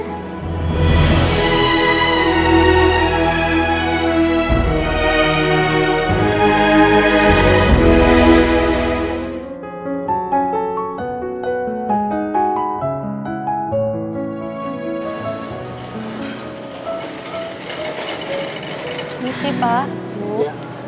terima kasih pak bu